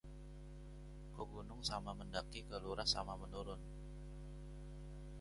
Ke gunung sama mendaki, ke lurah sama menurun